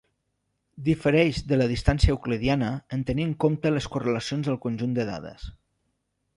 Difereix de la distància euclidiana en tenir en compte les correlacions del conjunt de dades.